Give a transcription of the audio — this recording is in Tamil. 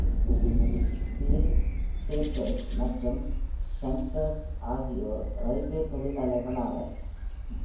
வீல் டேப்பெர்ஸ், மற்றும் ஷன்ட்டர்ஸ் ஆகியோர் இரயில்வே தொழிலாளர்கள் ஆவர்.